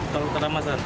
tol kedama san